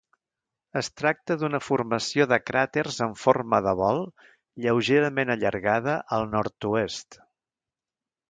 Es tracta d'una formació de cràters en forma de bol lleugerament allargada al nord-oest.